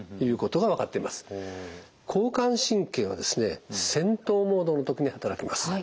交感神経はですね戦闘モードの時に働きます。